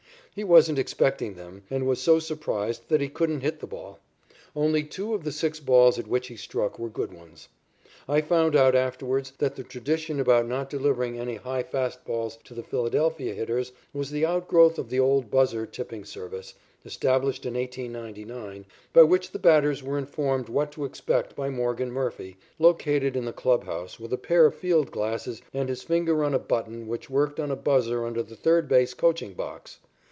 He wasn't expecting them and was so surprised that he couldn't hit the ball. Only two of the six balls at which he struck were good ones. I found out afterwards that the tradition about not delivering any high fast balls to the Philadelphia hitters was the outgrowth of the old buzzer tipping service, established in 1899, by which the batters were informed what to expect by Morgan Murphy, located in the clubhouse with a pair of field glasses and his finger on a button which worked a buzzer under the third base coaching box.